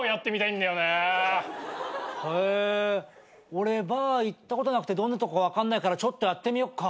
俺バー行ったことなくてどんなとこか分かんないからちょっとやってみよっか。